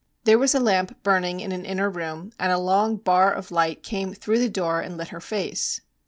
There was a lamp burning in an inner room, and a long bar of light came through the door and lit her face.